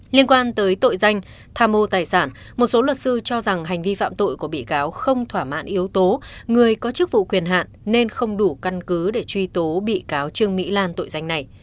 liên quan tới tội danh tham mô tài sản một số luật sư cho rằng hành vi phạm tội của bị cáo không thỏa mãn yếu tố người có chức vụ quyền hạn nên không đủ căn cứ để truy tố bị cáo trương mỹ lan tội danh này